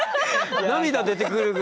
涙出てくるぐらい。